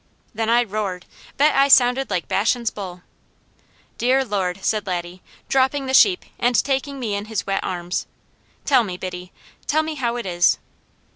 Then I roared; bet I sounded like Bashan's bull. "Dear Lord!" said Laddie dropping the sheep and taking me in his wet arms. "Tell me, Biddy! Tell me how it is."